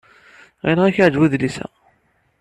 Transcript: Ɣileɣ ad k-yeɛjeb udlis-a.